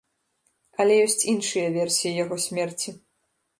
Але ёсць іншыя версіі яго смерці.